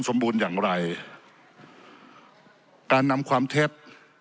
สมบูรณ์อย่างไรการนำความเท็จ